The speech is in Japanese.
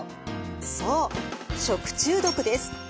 そう食中毒です。